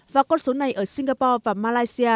và con số này ở singapore và malaysia